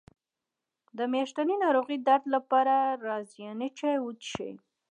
د میاشتنۍ ناروغۍ درد لپاره د رازیانې چای وڅښئ